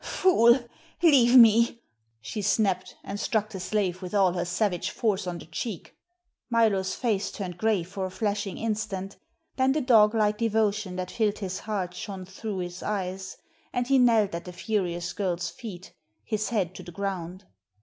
"Fool! Leave me!" she snapped, and struck the slave with all her savage force on the cheek. Milo's face turned gray for a flashing instant, then the doglike devotion that filled his heart shone through his eyes, and he knelt at the furious girl's feet, his head to the ground.